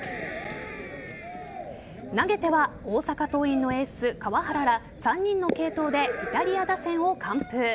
投げては大阪桐蔭のエース・川原ら３人の継投でイタリア打線を完封。